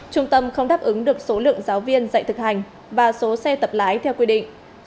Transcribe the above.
trung tâm không đáp ứng được số lượng giáo viên dạy thực hành và số xe tập lái theo quy định